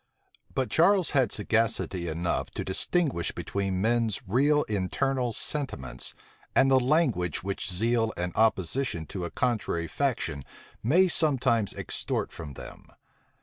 But Charles had sagacity enough to distinguish between men's real internal sentiments, and the language which zeal and opposition to a contrary faction may sometimes extort from them.